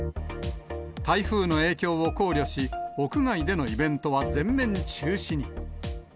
台風の影響を考慮し、屋外でのイベントは全面中止に。